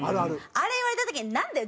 あれ言われた時になんだよ。